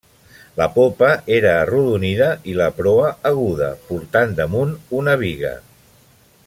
La popa era arrodonida i la proa aguda, portant damunt una biga.